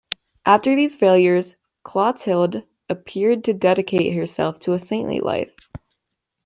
After these failures, Clotilde appeared to dedicate herself to a saintly life.